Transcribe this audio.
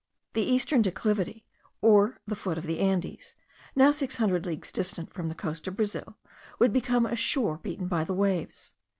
The eastern declivity, or the foot of the Andes, now six hundred leagues distant from the coast of Brazil, would become a shore beaten by the waves.